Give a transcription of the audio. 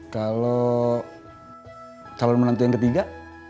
kalau calon menantu yang ketiga